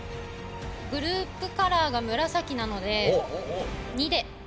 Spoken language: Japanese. グループカラーが紫なので２で。